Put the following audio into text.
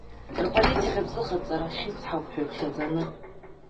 Рполитикатә зыҟаҵара хьысҳауп ҳәа иԥхьаӡаны.